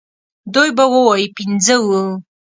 دوی به ووايي پنځه وو.